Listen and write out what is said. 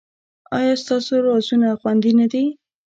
ایا ستاسو رازونه خوندي نه دي؟